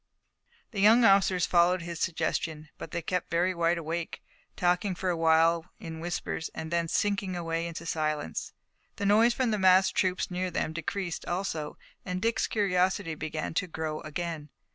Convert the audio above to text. The young officers followed his suggestion, but they kept very wide awake, talking for a little while in whispers and then sinking away into silence. The noise from the massed troops near them decreased also and Dick's curiosity began to grow again.